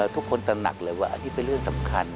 ตระหนักเลยว่าอันนี้เป็นเรื่องสำคัญ